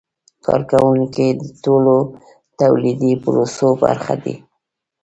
کارکوونکي د ټولو تولیدي پروسو برخه دي.